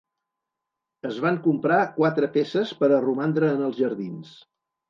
Es van comprar quatre peces per a romandre en els jardins.